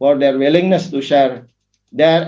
untuk keberanian mereka untuk berbagi